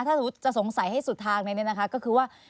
ถ้าสมมุติจะสงสัยให้สุดทางเลยเนี่ยนะคะก็คือว่า